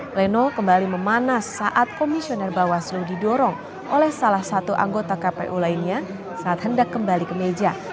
pleno kembali memanas saat komisioner bawaslu didorong oleh salah satu anggota kpu lainnya saat hendak kembali ke meja